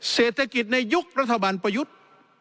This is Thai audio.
เศรษฐกิจในยุครัฐบาลประยุทธ์